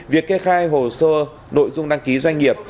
việc kê khai hồ sơ nội dung đăng ký doanh nghiệp